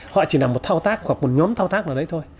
họ chỉ làm một thao tác hoặc một nhóm thao tác là đấy thôi